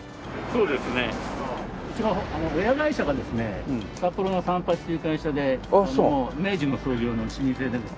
うちの親会社がですね札幌の三八という会社で明治の創業の老舗で。